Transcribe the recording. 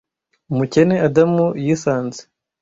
umukene adamu yisanze